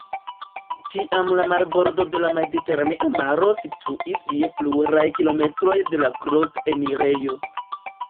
Tiam la marbordo de la Mediteranea maro situis je pluraj kilometroj de la grot-enirejo.